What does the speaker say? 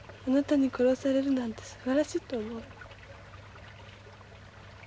あなたに殺されるなんてすばらしいと思う。